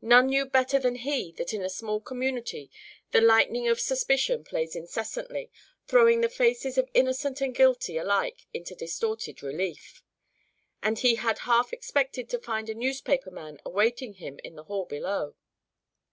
None knew better than he that in a small community the lightning of suspicion plays incessantly, throwing the faces of innocent and guilty alike into distorted relief. And he had half expected to find a newspaper man awaiting him in the hall below.